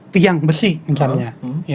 tiang besi misalnya